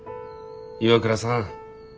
岩倉さん。